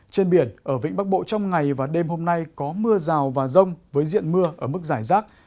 trên biển ở vĩnh bắc bộ trong ngày và đêm hôm nay có mưa rào và rông với diện mưa ở mức giải rác